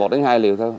một đến hai liều thôi